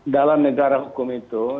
dalam negara hukum itu